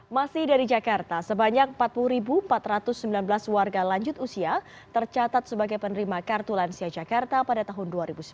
masih dari jakarta sebanyak empat puluh empat ratus sembilan belas warga lanjut usia tercatat sebagai penerima kartu lansia jakarta pada tahun dua ribu sembilan belas